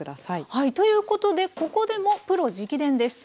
はいということでここでもプロ直伝です。